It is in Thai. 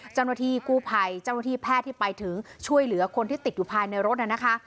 จังหวัดที่กู้ภัยจังหวัดที่แพทย์ที่ไปถึงช่วยเหลือคนที่ติดอยู่ภายในรถนะคะ